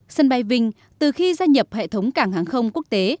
sân bay vinh từ khi gia nhập hệ thống cảng hàng không quốc tế